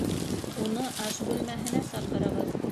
Уны аш бүлмәһенә саҡырығыҙ